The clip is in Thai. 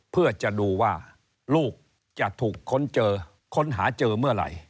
เพื่อจะดูว่าลูกจะถูกค้นเจอค้นหาเจอเมื่อไหร่